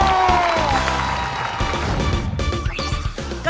โอ้โห